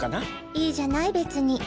いいじゃない別に。